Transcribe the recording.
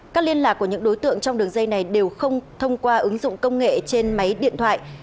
các liên lạc của những đối tượng trong đường dây này đều không thông qua ứng dụng công nghệ trên máy điện thoại